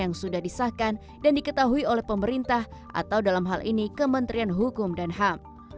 yang sudah disahkan dan diketahui oleh pemerintah atau dalam hal ini kementerian hukum dan ham